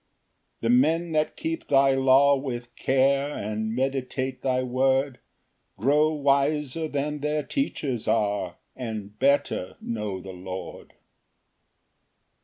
Ver. 99 100. 4 The men that keep thy law with care, And meditate thy word, Grow wiser than their teachers are, And better know the Lord.